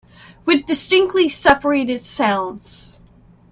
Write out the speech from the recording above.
With distinctly separated sounds.